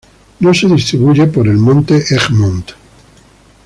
No se distribuye por el Monte Egmont.